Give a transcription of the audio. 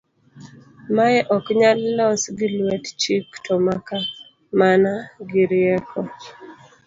mae ok nyal los gi lwet chik to maka mana gi rieko